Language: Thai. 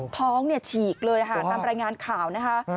ท้องเนี่ยฉีกเลยค่ะตามรายงานข่าวนะคะ